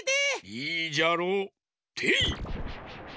いいじゃろう。てい！